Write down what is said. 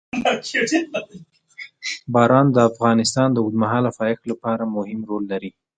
باران د افغانستان د اوږدمهاله پایښت لپاره مهم رول لري.